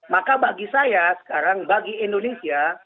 maka bagi saya sekarang bagi indonesia